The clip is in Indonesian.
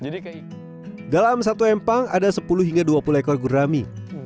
dalam satu empang ada sepuluh hingga dua puluh ekor gurami